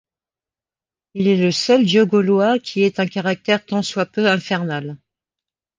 Il est le seul dieu gaulois qui ait un caractère tant soit peu infernal.